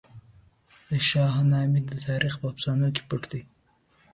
د شاهنامې تاریخ په افسانو کې پټ دی.